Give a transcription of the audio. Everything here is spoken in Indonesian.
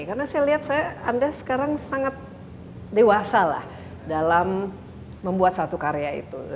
karena saya lihat saya anda sekarang sangat dewasa lah dalam membuat suatu karya itu